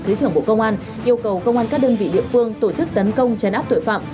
thứ trưởng bộ công an yêu cầu công an các đơn vị địa phương tổ chức tấn công chấn áp tội phạm